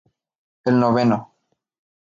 El noveno.